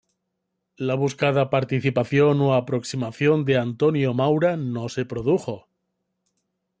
La buscada participación o aproximación de Antonio Maura no se produjo.